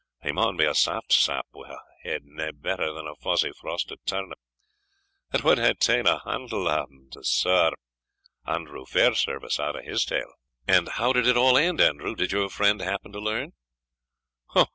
He maun be a saft sap, wi' a head nae better than a fozy frosted turnip it wad hae ta'en a hantle o' them to scaur Andrew Fairservice out o' his tale." "And how did it all end, Andrew? did your friend happen to learn?"